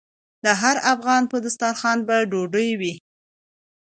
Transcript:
د هر افغان په دسترخان به ډوډۍ وي؟